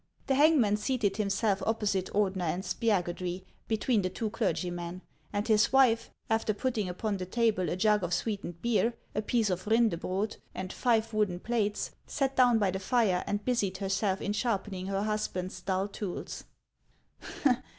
The hangman seated himself opposite Ordener and Spia gudry, between the two clergymen; and his wife, after putting upon the table a jug of sweetened beer, a piece of rindebrod,1 and five wooden plates, sat down by the fire and busied herself in sharpening her husband's dull tools.